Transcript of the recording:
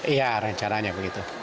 iya rencananya begitu